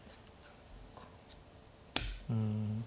うん。